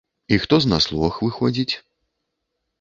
І хто з нас лох, выходзіць?